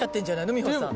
美穂さん。